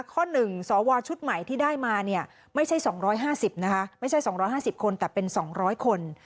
ข้อหนึ่งสอวรชุดใหม่ที่ได้มาไม่ใช่๒๕๐คนแต่เป็น๒๐๐คน